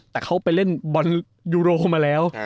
แต่เขาไปเล่นบอลยูโรมาแล้ว